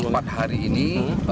empat hari ini